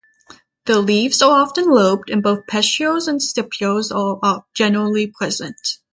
Their leaves are often lobed and both petioles and stipules are generally present.